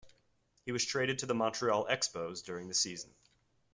He was traded to the Montreal Expos during the season.